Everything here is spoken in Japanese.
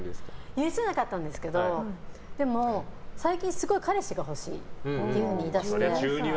許せなかったんですけど最近すごい彼氏が欲しいって言い出して。